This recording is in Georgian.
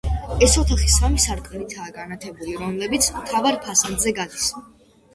ეს ოთახი სამი სარკმლითაა განათებული, რომლებიც მთავარ ფასადზე გადის.